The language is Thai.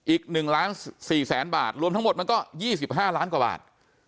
อีก๑ล้าน๔แสนบาทรวมทั้งหมดมันก็๒๕ล้านกว่าบาท